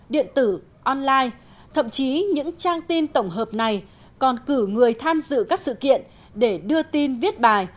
điện tử online thậm chí những trang tin tổng hợp này còn cử người tham dự các sự kiện để đưa tin viết bài